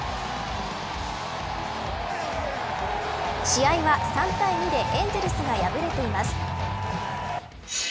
試合は３対２でエンゼルスが破れています。